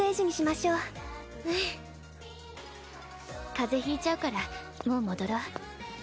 風邪ひいちゃうからもう戻ろう。